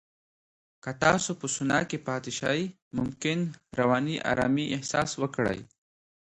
که تاسو په سونا کې پاتې شئ، ممکن رواني آرامۍ احساس وکړئ.